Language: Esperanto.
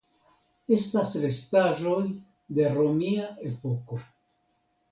Estas restaĵoj de romia epoko.